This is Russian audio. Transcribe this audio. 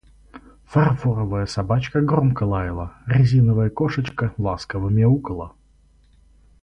Фарфоровая Собачка громко лаяла, резиновая Кошечка ласково мяукала.